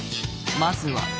まずは。